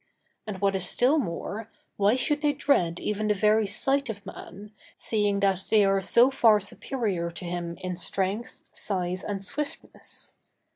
And, what is still more, why should they dread even the very sight of man, seeing that they are so far superior to him in strength, size, and swiftness?